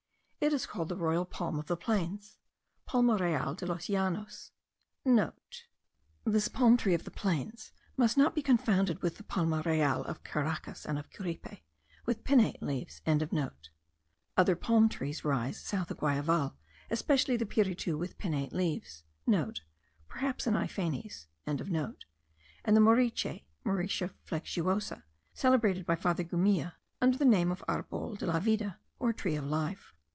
It is called the royal palm of the plains (palma real de los Llanos).* (* This palm tree of the plains must not be confounded with the palma real of Caracas and of Curiepe, with pinnate leaves.) Other palm trees rise south of Guayaval, especially the piritu with pinnate leaves,* (* Perhaps an Aiphanes.) and the moriche (Mauritia flexuosa), celebrated by Father Gumilla under the name of arbol de la vida, or tree of life.